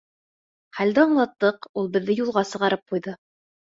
Хәлде аңлаттыҡ, ул беҙҙе юлға сығарып ҡуйҙы.